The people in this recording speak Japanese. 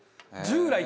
「従来」。